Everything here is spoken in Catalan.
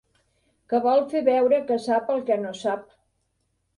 Que vol fer veure que sap el que no sap.